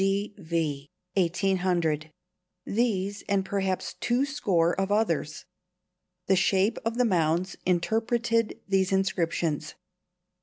d. V., 1800" these, and perhaps two score of others. The shape of the mounds interpreted these inscriptions.